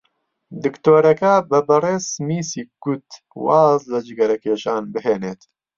دکتۆرەکە بە بەڕێز سمیسی گوت واز لە جگەرەکێشان بهێنێت.